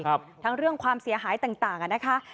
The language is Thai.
ทั้งเรื่องความเสียหายต่างอ่ะนะคะ